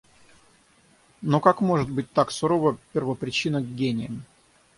Но как может быть так сурова первопричина к гениям?